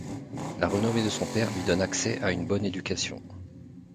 La renommée de son père lui donne accès à une bonne éducation.